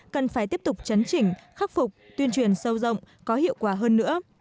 cần phải tiếp tục chấn chỉnh khắc phục tuyên truyền sâu rộng có hiệu quả hơn nữa